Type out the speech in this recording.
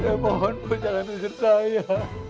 saya mohonmu jangan usir saya